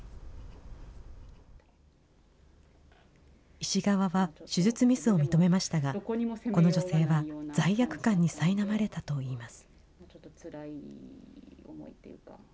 医師側は手術ミスを認めましたが、この女性は、罪悪感にさいなまれたといいます。